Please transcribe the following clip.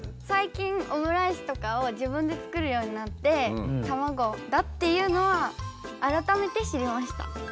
最近オムライスとかを自分で作るようになって卵だっていうのはあらためて知りました。